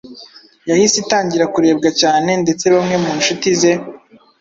yahise itangira kurebwa cyane, ndetse bamwe mu nshuti ze